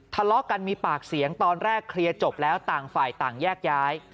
ทะเลาะกันมีปากเสียงตอนแรกเคลียร์จบแล้วต่างฝ่ายต่างแยกย้าย